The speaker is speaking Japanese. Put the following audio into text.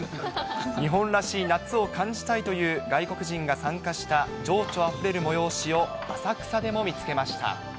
日本らしい夏を感じたいという外国人が参加した情緒あふれる催しを浅草でも見つけました。